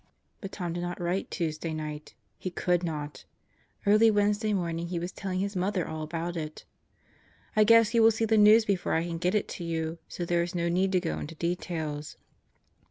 But Tom did not write Tuesday night. He could not. Early Wednesday morning he was telling his mother all about it! I guess you will see the news before I can get it to you; so there is no need to go into details.